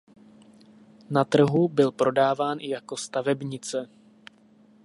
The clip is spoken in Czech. Na trhu byl prodáván i jako stavebnice.